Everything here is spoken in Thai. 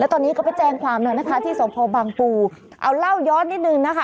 แล้วตอนนี้เขาไปแจงความน่ะนะคะที่สมพบังปูเอาเล่าย้อนนิดหนึ่งนะคะ